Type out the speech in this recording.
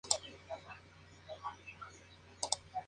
La belleza no es lo que creen aquellos para quien no es algo vital.